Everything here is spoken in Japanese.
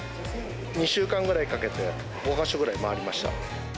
２週間ぐらいかけて、５か所ぐらい回りました。